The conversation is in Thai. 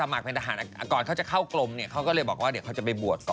มิกอะไรอ่ะมิกโทษมิกอะไรอีก